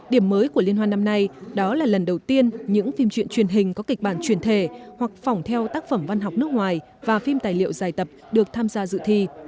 điểm mới của liên hoan năm nay đó là lần đầu tiên những phim truyện truyền hình có kịch bản truyền thể hoặc phỏng theo tác phẩm văn học nước ngoài và phim tài liệu dài tập được tham gia dự thi